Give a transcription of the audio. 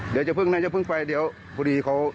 เดี๋ยวจะเพิ่งน่าจะเพิ่งไปเดี๋ยวพอดีเขา